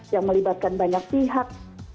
yang melibatkan banyak pihak